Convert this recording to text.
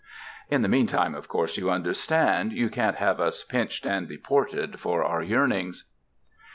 (In the meantime, of course, you understand, you can't have us pinched and deported for our yearnings.)